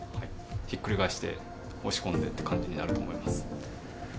ひっくり返して、押し込んでっていう感じになると思います。